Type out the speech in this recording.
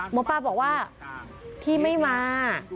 หมอปลาบอกว่าที่ไม่มา